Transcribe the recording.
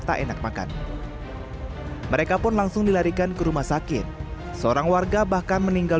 tak enak makan mereka pun langsung dilarikan ke rumah sakit seorang warga bahkan meninggal